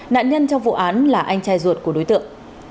nạn nhân trong vụ án là anh trai ruột của đối tượng